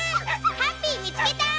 ハッピーみつけた！